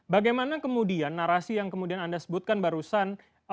bagaimana kemudian narasi yang kemudian anda sebutkan barusan